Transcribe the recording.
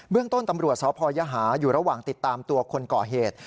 เรื่องต้นตำรวจสพยหาอยู่ระหว่างติดตามตัวคนก่อเหตุ